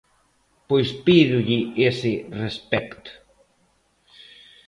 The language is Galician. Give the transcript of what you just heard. Pois pídolle ese respecto.